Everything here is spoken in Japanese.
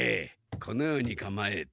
このようにかまえて。